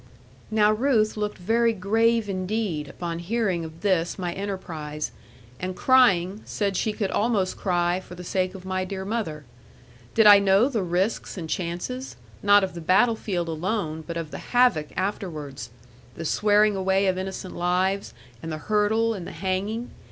Now Ruth looked very grave indeed, upon hearing of this my enterprise; and crying, said she could almost cry, for the sake of my dear mother. Did I know the risks and chances, not of the battlefield alone, but of the havoc afterwards; the swearing away of innocent lives, and the hurdle, and the hanging?